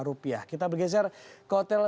rupiah kita bergeser ke hotel